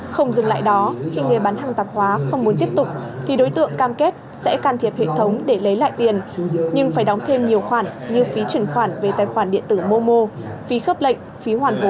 không dừng lại đó khi người bán hàng tạp hóa không muốn tiếp tục thì đối tượng cam kết sẽ can thiệp hệ thống để lấy lại tiền nhưng phải đóng thêm nhiều khoản như phí chuyển khoản về tài khoản điện tử momo phí khớp lệnh phí hoàn vốn